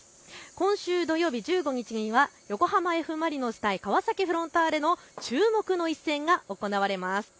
今週、土曜日１５日には横浜Ｆ・マリノス対川崎フロンターレの注目の一戦が行われます。